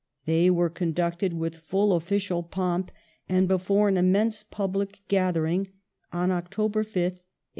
They were conducted with full ofi&cial pomp and before an immense public gathering, on October 5th, 1895.